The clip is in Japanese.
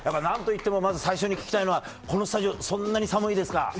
何といってもまず最初に聞きたいのはこのスタジオそんなに寒いですか？